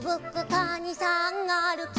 「かにさんあるき」